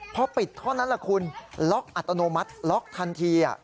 พอปิดเท่านั้นแหละคุณล็อกอัตโนมัติล็อกทันที